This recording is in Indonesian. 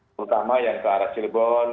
terutama yang ke arah cirebon